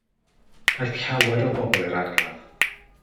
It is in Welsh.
Aeth llawer o bobl i'r angladd.